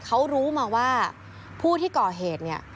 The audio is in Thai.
เขารู้มาว่าผู้ที่ก่อเหตุ